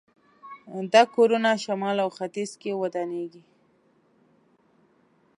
دا کورونه شمال او ختیځ کې ودانېږي.